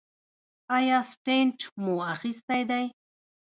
ایا سټنټ مو ایښی دی؟